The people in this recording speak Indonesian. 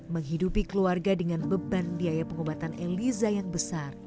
menghidupi keluarga dengan beban biaya pengobatan eliza yang besar